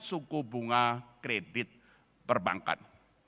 suku bunga kredit perbankan